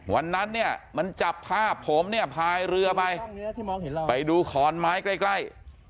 วันนั้นเนี่ยมันจับภาพผมเนี่ยพายเรือไปไปดูขอนไม้ใกล้